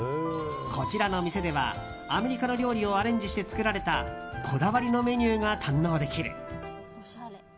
こちらの店ではアメリカの料理をアレンジして作られたこだわりのメニューが堪能できる。